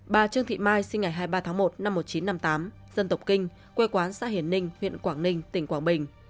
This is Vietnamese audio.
bà trương thị mai sinh ngày hai mươi ba tháng một năm một nghìn chín trăm năm mươi tám dân tộc kinh quê quán xã hiền ninh huyện quảng ninh tỉnh quảng bình